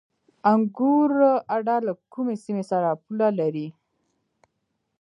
انګور اډه له کومې سیمې سره پوله لري؟